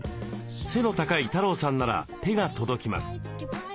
背の高い太郎さんなら手が届きます。